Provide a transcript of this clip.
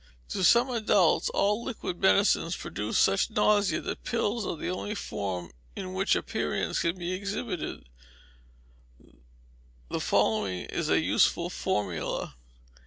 To some adults all liquid medicines produce such nausea that pills are the only form in which aperients can be exhibited; the following is a useful formula: i.